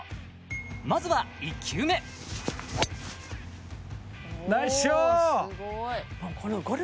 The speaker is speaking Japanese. まずは１球目ナイスショット！